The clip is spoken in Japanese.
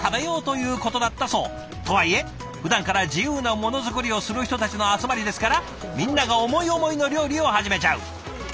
とはいえふだんから自由なものづくりをする人たちの集まりですからみんなが思い思いの料理を始めちゃう。